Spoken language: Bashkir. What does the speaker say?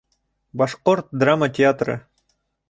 Башҡорт драма театры